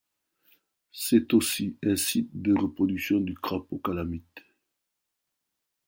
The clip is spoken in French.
C'est aussi un site de reproduction du crapaud calamite.